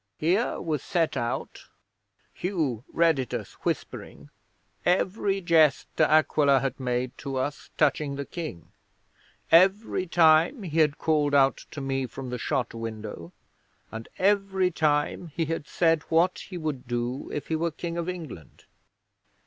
'Here was set out (Hugh read it us whispering) every jest De Aquila had made to us touching the King; every time he had called out to me from the shot window, and every time he had said what he would do if he were King of England.